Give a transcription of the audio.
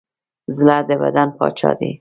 زړه د بدن پاچا دی.